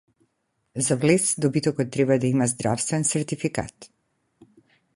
За влез добитокот треба да има здравствен сертификат